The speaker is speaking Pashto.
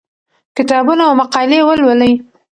کتابونه او مقالې ولولئ.